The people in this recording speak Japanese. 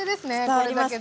これだけで。